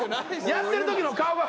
やってるときの顔が。